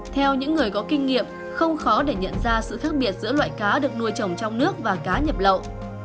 theo những người có kinh nghiệm không khó để nhận ra sự khác biệt giữa loại cá được nuôi trồng trong nước và cá nhập lậu